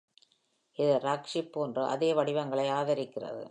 இது ராக்சிப் போன்ற அதே வடிவங்களை ஆதரிக்கிறது.